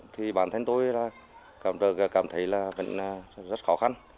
thì bản thân tôi cảm thấy là rất khó khăn